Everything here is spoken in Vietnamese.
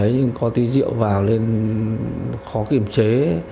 nhưng có tí rượu vào nên khó kiểm chế